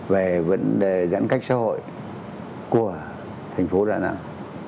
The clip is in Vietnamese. về vấn đề giãn cách xã hội của thành phố đà nẵng